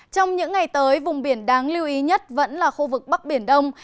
trong những ngày tới vùng biển đáng lưu ý nhất vẫn là khu vực bắc biển đông